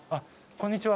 こんにちは。